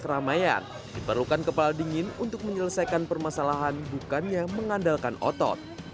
keramaian diperlukan kepala dingin untuk menyelesaikan permasalahan bukannya mengandalkan otot